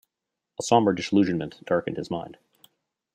A sombre disillusionment darkened his mind.